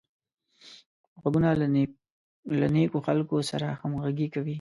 غوږونه له نېکو خلکو سره همغږي کوي